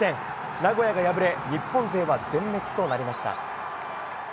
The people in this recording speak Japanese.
名古屋が敗れ日本勢は全滅となりました。